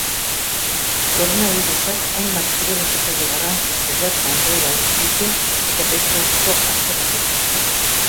Koronabirusak hainbat kirol-ekitaldi garrantzitsu bertan behera utzi ditu eta beste asko atzeratu.